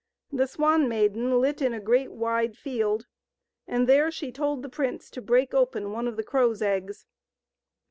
The Swan Maiden lit in a great wide field, and there she told the prince to break open one of the crow's eggs.